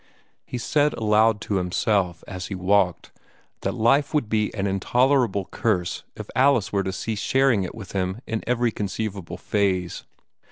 He said aloud to himself as he walked that life would be an intolerable curse if Alice were to cease sharing it with him in every conceivable phase.